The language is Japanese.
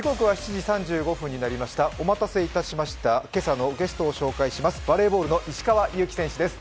お待たせいたしました、今朝のゲストを紹介いたします。